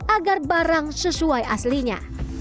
agar barang sesuai aslinya